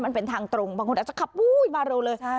มันเป็นทางตรงบางคนอาจจะขับมาเร็วเลย